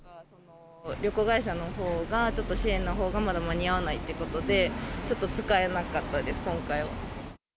旅行会社のほうが、ちょっと支援のほうがまだ間に合わないということで、ちょっと使えなかったです、今回は。